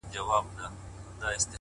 o له مودو وروسته يې کرم او خرابات وکړ.